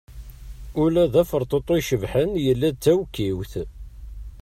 Ula d aferṭeṭṭu icebḥen, yella d tawekkiwt.